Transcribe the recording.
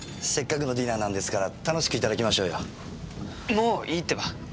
もういいってば。